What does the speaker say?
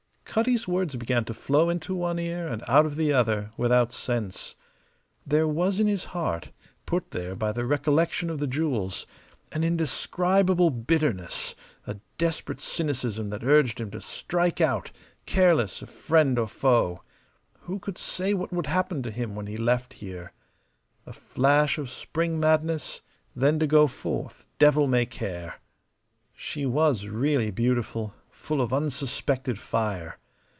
Cutty's words began to flow into one ear and out of the other, without sense. There was in his heart put there by the recollection of the jewels an indescribable bitterness, a desperate cynicism that urged him to strike out, careless of friend or foe. Who could say what would happen to him when he left here? A flash of spring madness, then to go forth devil may care. She was really beautiful, full of unsuspected fire.